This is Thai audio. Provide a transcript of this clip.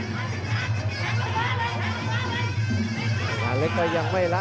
สงคราเล็กก็ยังไม่ละ